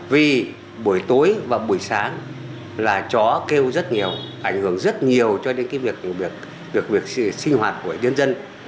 vì buổi tối và buổi sáng là chó kêu rất nhiều ảnh hưởng rất nhiều cho đến cái việc được việc sinh hoạt của nhân dân